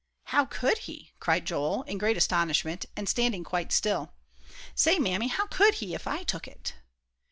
"How could he?" cried Joel, in great astonishment, and standing quite still. "Say, Mammy, how could he, if I took it?"